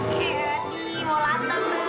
hei mau latar tuh